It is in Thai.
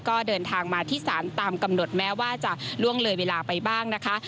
ก็เดินทางมาที่ศาลตามกำหนดแม้ว่าจะล่วงเลยเวลาไปบ้างนะคะ